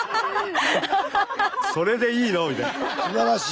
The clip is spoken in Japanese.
それでいいの？みたいな。